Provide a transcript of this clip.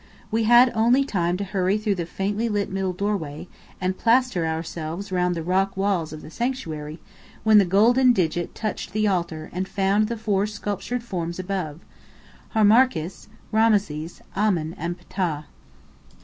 We had only time to hurry through the faintly lit middle doorway, and plaster ourselves round the rock walls of the sanctuary, when the golden digit touched the altar and found the four sculptured forms above: Harmachis, Rameses, Amen and Ptah.